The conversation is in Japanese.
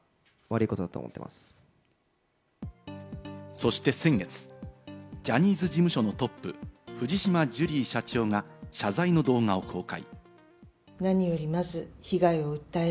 そして先月、ジャニーズ事務所のトップ・藤島ジュリー社長が謝罪の動画を公開。